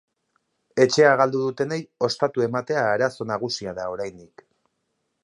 Etxea galdu dutenei ostatu ematea arazo nagusia da oraindik.